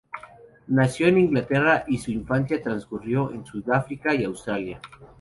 Nació en Inglaterra y su infancia transcurrió en Sudáfrica y Australia.